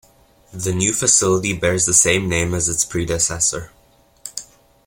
The new facility bears the same name as its predecessor.